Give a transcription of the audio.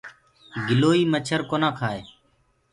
گِلوئيٚ مڇر ڪونآ ڪهآئي۔